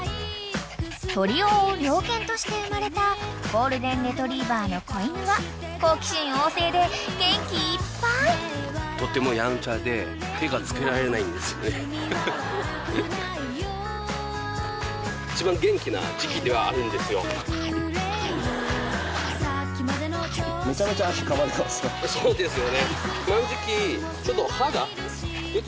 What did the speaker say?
［鳥を追う猟犬として生まれたゴールデン・レトリーバーの子犬は好奇心旺盛で元気いっぱい］っていうふうに言ってますよ。